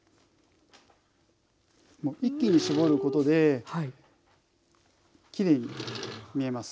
一気に絞ることできれいに見えます。